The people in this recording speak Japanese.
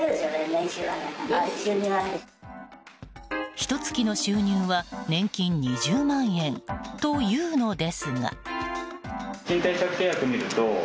ひと月の収入は年金２０万円というのですが。